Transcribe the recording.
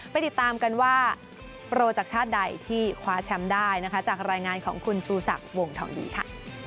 ไปติดตามกันว่าโปรจากชาติใดที่คว้าแชมป์ได้นะคะจากรายงานของคุณชูศักดิ์วงทองดีค่ะ